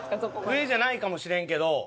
上じゃないかもしれんけど。